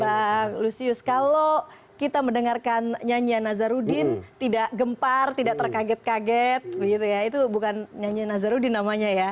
pak lusius kalau kita mendengarkan nyanyian nazarudin tidak gempar tidak terkaget kaget itu bukan nyanyian nazarudin namanya ya